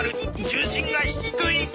重心が低い！